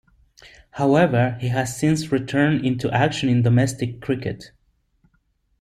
However he has since return in action in domestic cricket.